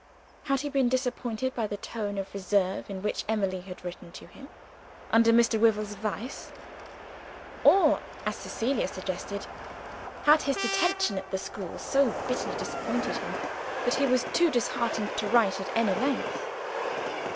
Had he been disappointed by the tone of reserve in which Emily had written to him, under Mr. Wyvil's advice? Or (as Cecilia suggested) had his detention at the school so bitterly disappointed him that he was too disheartened to write at any length?